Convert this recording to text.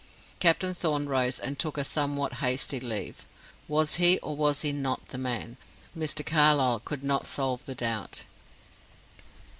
Captain Thorn rose and took a somewhat hasty leave. Was he, or was he not, the man? Mr. Carlyle could not solve the doubt.